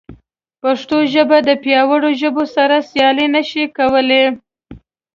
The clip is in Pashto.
پښتو ژبه د پیاوړو ژبو سره سیالي نه شي کولی.